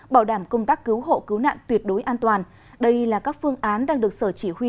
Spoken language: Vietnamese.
bảo đảm công tác cứu hộ cứu nạn tuyệt đối an toàn đây là các phương án đang được sở chỉ huy